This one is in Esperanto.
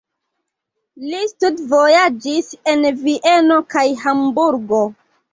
Li studvojaĝis en Vieno kaj Hamburgo.